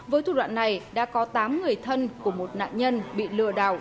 với thủ đoạn này đã có tám người thân của một nạn nhân bị lừa đảo